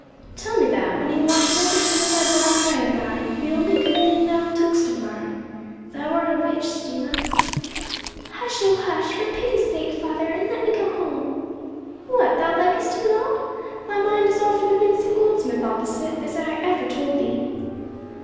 "Tell me that, when he watches every turn of that dark eye of thine—the only good thing thou took'st of mine! Thou art a witch, Stina." "Hush, oh hush, for pity's sake, father, and let me go home!" "What, thou likest him not? Thy mind is all for the mincing goldsmith opposite, as I ever told thee."